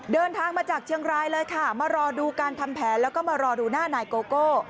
เดินทางมาจากเชียงรายเลยค่ะมารอดูการทำแผนแล้วก็มารอดูหน้านายโกโก้